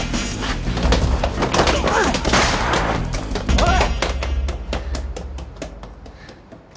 おい！